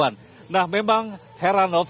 nah memang heranov